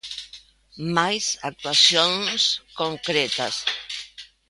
Máis actuacións concretas.